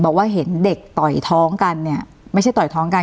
บอกว่าเห็นเด็กต่อยท้องกันเนี่ยไม่ใช่ต่อยท้องกัน